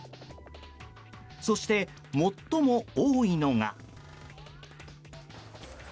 そして、最も多いのが。